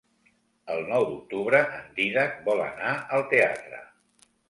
El nou d'octubre en Dídac vol anar al teatre.